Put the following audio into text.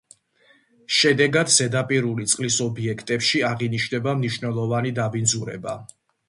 შედეგად, ზედაპირული წყლის ობიექტებში აღინიშნება მნიშვნელოვანი დაბინძურება.